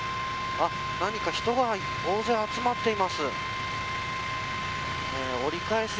何か人が大勢、集まっています。